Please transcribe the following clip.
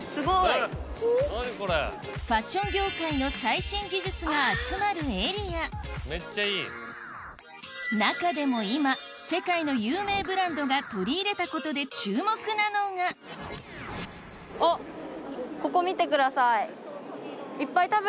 ファッション業界の最新技術が集まるエリア中でも今世界の有名ブランドが取り入れたことで注目なのがあっここ見てください。